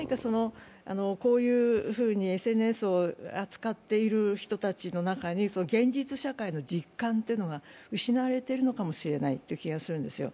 こういうふうにＳＮＳを扱っている人たちの中に、現実社会の実感というものが失われているかもしれないという気がするんですよ。